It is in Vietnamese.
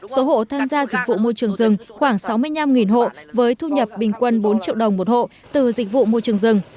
số hộ tham gia dịch vụ môi trường rừng khoảng sáu mươi năm hộ với thu nhập bình quân bốn triệu đồng một hộ từ dịch vụ môi trường rừng